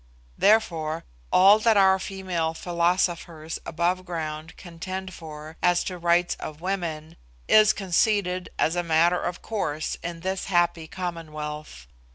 Therefore all that our female philosophers above ground contend for as to rights of women, is conceded as a matter of course in this happy commonwealth.